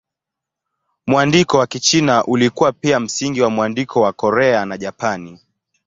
Mwandiko wa Kichina ulikuwa pia msingi wa mwandiko wa Korea na Japani.